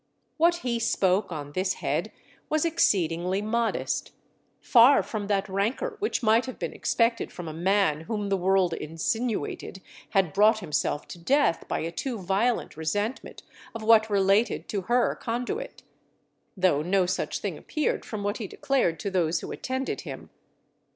What he spoke on this head was exceedingly modest, far from that rancour which might have been expected from a man whom the world insinuated had brought himself to death by a too violent resentment of what related to her conduit; though no such thing appeared from what he declared to those who attended him.